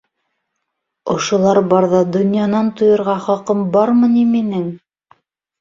Ошолар барҙа донъянан туйырға хаҡым бармы ни минең?!